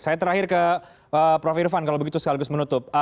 saya terakhir ke prof irvan kalau begitu sekaligus menutup